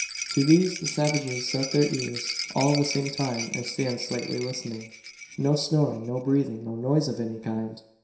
To these the savages set their ears all at the same time and stand silently listening. No snoring, no breathing, no noise of any kind!